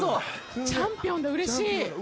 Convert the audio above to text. チャンピオンだうれしい。